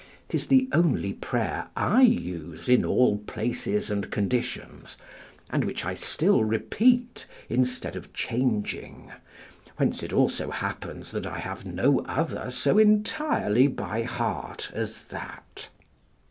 'Tis the only prayer I use in all places and conditions, and which I still repeat instead of changing; whence it also happens that I have no other so entirely by heart as that.